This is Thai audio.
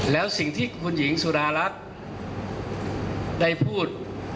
แล้วสิ่งที่คุณหญิงสุดารัฐได้พูด